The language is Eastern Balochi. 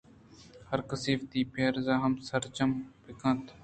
هر کس وتی پرز ءَ سرجم بہ کنت۔